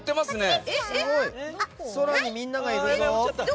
空にみんながいるぞ。